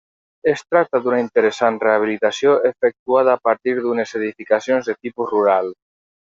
Es tracta d'una interessant rehabilitació efectuada a partir d'unes edificacions de tipus rural.